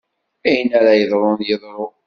Ayen ara yeḍrun, yeḍru.